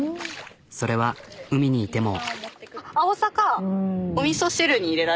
それは海にいても。